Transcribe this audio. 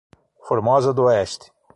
Formosa do Oeste